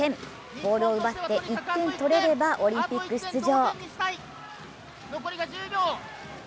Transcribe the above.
ボールを奪って１点とれればオリンピック出場。